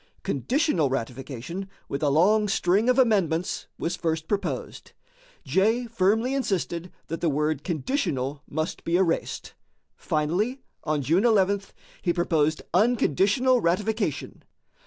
Conditional ratification, with a long string of amendments, was first proposed. Jay firmly insisted that the word "conditional" must be erased. Finally, on July 11, he proposed unconditional ratification.